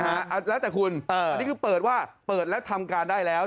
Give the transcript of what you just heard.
แล้วแต่คุณอันนี้คือเปิดว่าเปิดแล้วทำการได้แล้ว